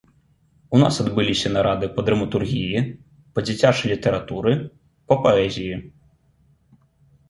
У нас адбыліся нарады па драматургіі, па дзіцячай літаратуры, па паэзіі.